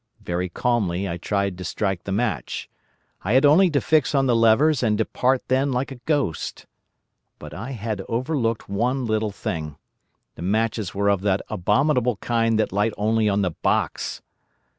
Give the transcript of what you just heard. Very calmly I tried to strike the match. I had only to fix on the levers and depart then like a ghost. But I had overlooked one little thing. The matches were of that abominable kind that light only on the box.